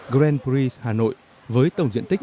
genpri hà nội với tổng diện tích